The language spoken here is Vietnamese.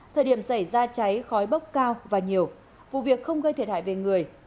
thời điểm xảy ra cháy khói bốc cao và nhiều vụ việc không gây thiệt hại về người